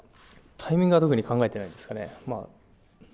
タイミングは特に考えていないですね。